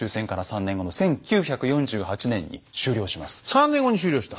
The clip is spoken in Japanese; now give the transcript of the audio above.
３年後に終了した。